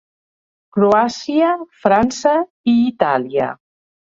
Croàcia, França i Itàlia.